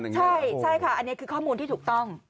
ใช่ค่ะอันนี้คือข้อมูลที่ถูกต้อง